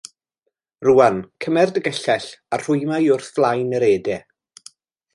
Rwan, cymer dy gyllell a rhwyma hi wrth flaen yr ede.